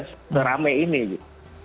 seramai ini gitu